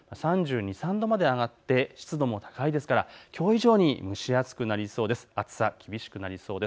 ３２、３３度まで上がって湿度も高いですからきょう以上に蒸し暑くなりそうです。